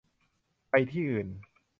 ไปที่อื่น